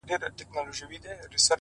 زما هيله زما د وجود هر رگ کي بهېږي;